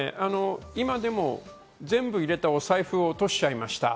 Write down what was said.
でも全部入れたお財布を落としちゃいました。